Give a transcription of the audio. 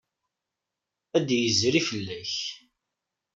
Ad d-yezri fell-ak.